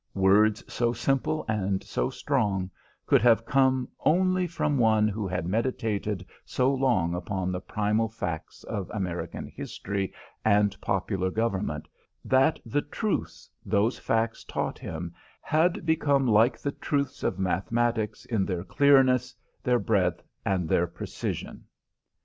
Words so simple and so strong could have come only from one who had meditated so long upon the primal facts of American history and popular government that the truths those facts taught him had become like the truths of mathematics in their clearness, their breadth, and their precision.